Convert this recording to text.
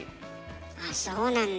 あっそうなんだ。